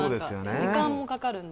時間もかかるので。